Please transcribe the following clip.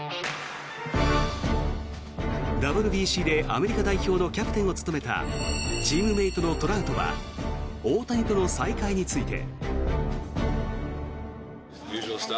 ＷＢＣでアメリカ代表のキャプテンを務めたチームメートのトラウトは大谷との再会について。